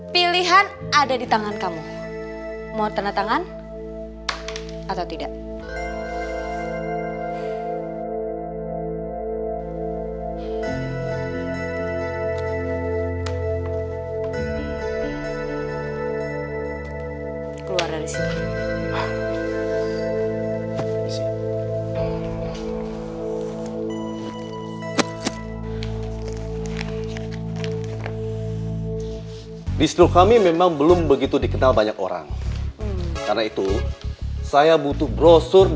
pilihan ada di tangan kamu